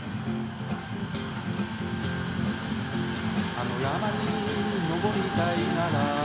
「あの山に登りたいなら」